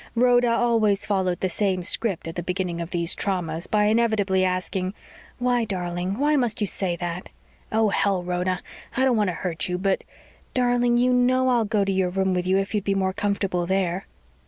Rhoda always followed the same script at the beginning of these traumas by inevitably asking, "Why, darling? Why must you say that?" "Oh, hell, Rhoda! I don't want to hurt you but " "Darling, you know I'll go to your room with you if you'd be more comfortable there."